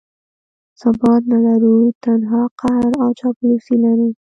ثبات نه لرو، تنها قهر او چاپلوسي لرو.